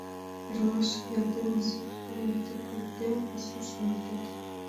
Эрлашым эрдене изи-кугу, икте кодде, пасуш лектыт.